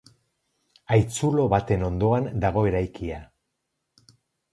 Haitzulo baten ondoan dago eraikia.